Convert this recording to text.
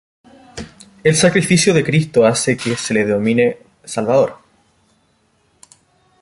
El sacrificio de Cristo hace que se le denomine Salvador.